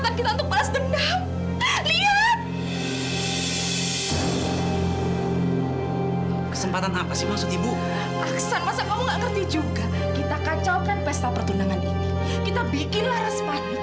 aku tau juga gak tunangannya siapa